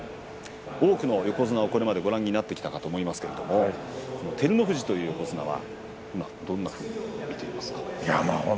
多くの横綱をご覧になってきたかと思いますけども照ノ富士という横綱はどんなふうにご覧になってますか。